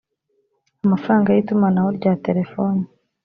amafaranga y itumanaho rya telefoni